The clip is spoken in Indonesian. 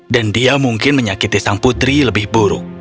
dan dia mungkin menyakiti sang putri lebih buruk